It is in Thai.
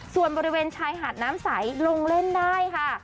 ส่วนบริเวณชายหาดน้ำใสลงเล่นได้ค่ะ